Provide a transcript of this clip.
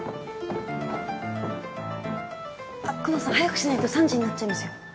あっ久能さん早くしないと３時になっちゃいますよ。